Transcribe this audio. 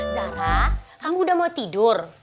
zahra kamu udah mau tidur